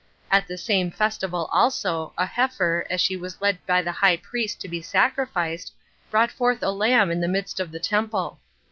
At the same festival also, a heifer, as she was led by the high priest to be sacrificed, brought forth a lamb in the midst of the temple.